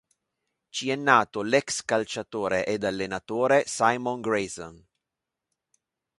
Ci è nato l'ex calciatore ed allenatore Simon Grayson.